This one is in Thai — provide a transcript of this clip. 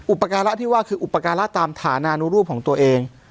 อุปการะที่ว่าคืออุปการะตามฐานานุรูปของตัวเอง